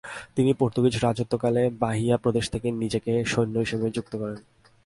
তিনি পর্তুগীজ রাজত্বকালে বাহিয়া প্রদেশ থেকে নিজেকে সৈনিক হিসেবে যুক্ত করেন।